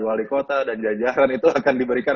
wali kota dan jajaran itu akan diberikan